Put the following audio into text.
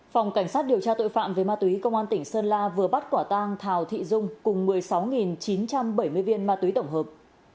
phòng cảnh sát điều tra tội phạm về ma túy công an tỉnh sơn la vừa bắt quả tang thào thị dung cùng một mươi sáu chín trăm bảy mươi viên ma túy tổng hợp